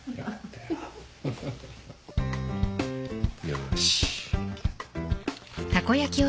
よし。